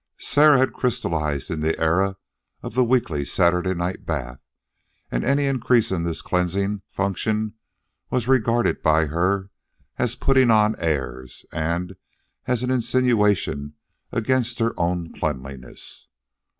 Sarah had crystallized in the era of the weekly Saturday night bath, and any increase in this cleansing function was regarded by her as putting on airs and as an insinuation against her own cleanliness.